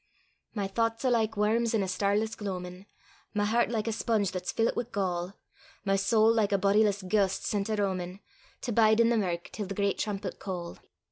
My thouchts are like worms in a starless gloamin'; My hert like a sponge that's fillit wi' gall; My sowl like a bodiless ghaist sent a roamin', To bide i' the mirk till the great trumpet call.